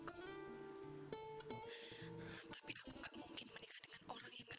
gak bisa menerima pak amin